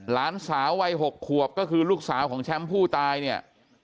หลานสาววัย๖ขวบก็คือลูกสาวของแชมป์ผู้ตายเนี่ย